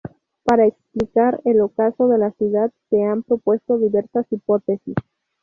Para explicar el ocaso de la ciudad se han propuesto diversas hipótesis.